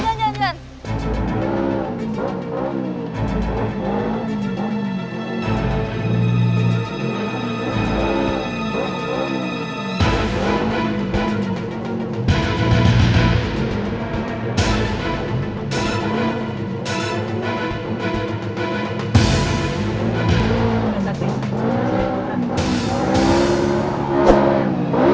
jalan jalan jalan